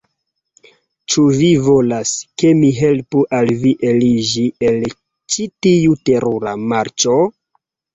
Ĉu vi volas, ke mi helpu al vi eliĝi el ĉi tiu terura marĉo?